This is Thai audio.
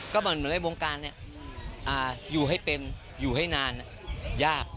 ก็เหมือนในวงการอยู่ให้เป็นอยู่ให้นานยาก